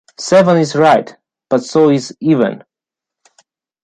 Seven is right, but so is even;